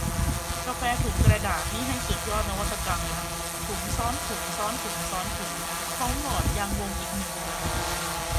กาแฟถุงกระดาษนี่ให้สุดยอดนวัตกรรมละ ถุงซ้อนถุงซ้อนถุงซ้อนถุงพร้อมหลอดยางวงอีกหนึ่ง